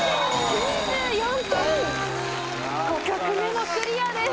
５曲目もクリアです。